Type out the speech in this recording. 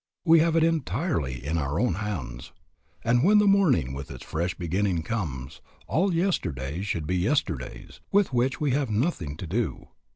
We have it entirely in our own hands. And when the morning with its fresh beginning comes, all yesterdays should be yesterdays, with which we have nothing to do.